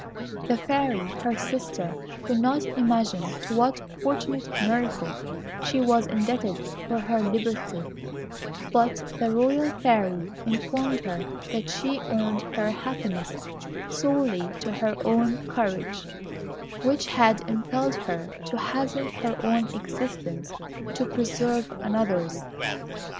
The Fairy, her sister, could not imagine to what fortunate miracle she was indebted for her liberty; but the royal Fairy informed her that she owed her happiness solely to her own courage, which had impelled her to hazard her own existence to preserve another's.